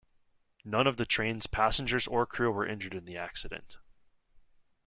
None of the train's passengers or crew were injured in the accident.